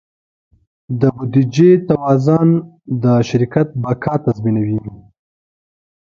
د بودیجې توازن د شرکت بقا تضمینوي.